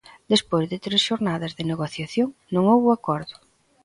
Despois de tres xornadas de negociación, non houbo acordo.